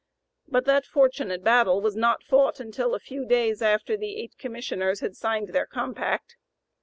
But that fortunate battle was not fought until a few days after the eight Commissioners had signed their compact.